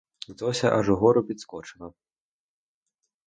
Зося аж угору підскочила.